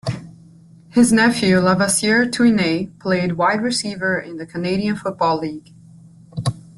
His nephew Lavasier Tuinei played wide receiver in the Canadian Football League.